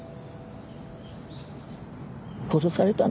殺されたの。